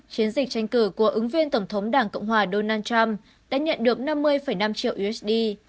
chiến dịch tranh cử của ứng viên tổng thống đảng cộng hòa donald trump đã nhận được năm mươi năm triệu usd